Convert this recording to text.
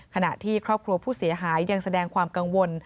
ขณะที่ครอบครัวผู้เสียหายยังแสดงความกังวล